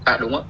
à đúng ạ